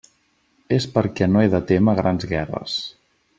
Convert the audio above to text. És perquè no ha de témer grans guerres.